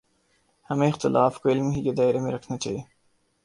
ہمیں اختلاف کو علم ہی کے دائرے میں رکھنا چاہیے۔